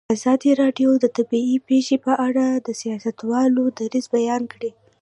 ازادي راډیو د طبیعي پېښې په اړه د سیاستوالو دریځ بیان کړی.